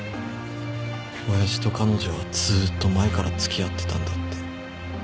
親父と彼女はずーっと前から付き合ってたんだって。